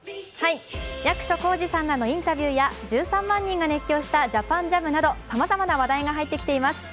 役所広司さんらのインタビューや１３万人が熱狂したＪＡＰＡＮＪＡＭなど、さまざまな話題が入ってきています。